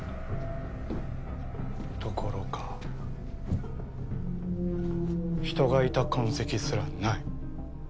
どころか人がいた痕跡すらない。